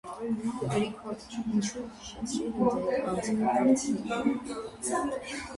- Գրիգո՛ր, ինչո՞ւ հիշեցրիր ինձ այդ անցքը,- հարցրի: